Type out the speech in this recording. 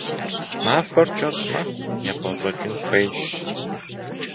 Махуэр кӏэщӏ мэхъу, епӏэщӏэкӏын хуейщ.